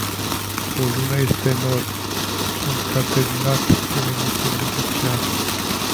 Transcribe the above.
O lună este enorm, sunt ca terminat spune micul muzician.